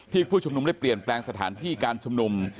ผู้ชุมนุมได้เปลี่ยนแปลงสถานที่การชุมนุม